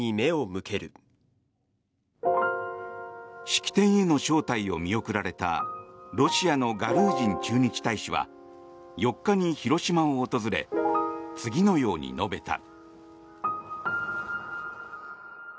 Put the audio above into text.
式典への招待を見送られたロシアのガルージン駐日大使は４日に広島を訪れ次のように述べた。